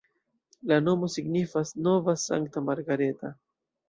La nomo signifas nova-sankta-Margareta.